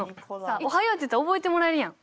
おはようって言ったら覚えてもらえるやん。